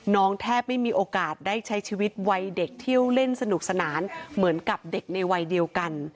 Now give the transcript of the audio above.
แทบไม่มีโอกาสได้ใช้ชีวิตวัยเด็กเที่ยวเล่นสนุกสนานเหมือนกับเด็กในวัยเดียวกัน